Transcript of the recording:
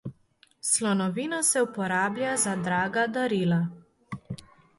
Slonovina se uporablja za draga darila.